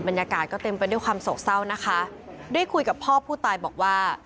บรรยากาศก็เต็มไปด้วยความโศกเศร้านะคะได้คุยกับพ่อผู้ตายบอกว่า